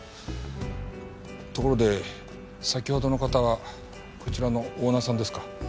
ところで先ほどの方はこちらのオーナーさんですか？